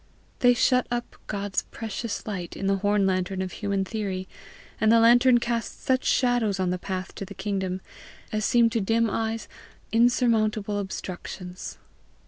They shut up God's precious light in the horn lantern of human theory, and the lantern casts such shadows on the path to the kingdom as seem to dim eyes insurmountable obstructions.